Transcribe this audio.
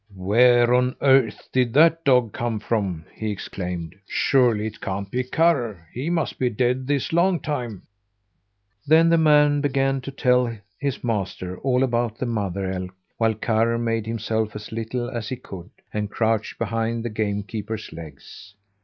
"Where on earth did that dog come from?" he exclaimed. "Surely it can't be Karr? He must be dead this long time!" Then the man began to tell his master all about the mother elk, while Karr made himself as little as he could, and crouched behind the game keeper's legs.